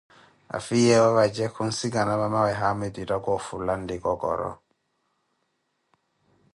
Afiyeevo vaje vawe khunsikana mwanawe haamitu eattaka ofula nlikokoro.